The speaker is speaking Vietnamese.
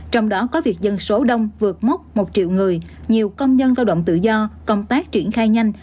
trong đó có việc dân số đông vượt mốc một triệu người nhiều công nhân lao động tự do công tác triển khai nhanh